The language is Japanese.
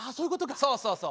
そうそうそう。